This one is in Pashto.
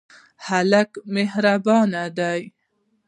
هلک مهربان دی.